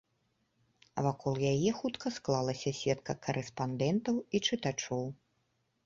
Вакол яе хутка склалася сетка карэспандэнтаў і чытачоў.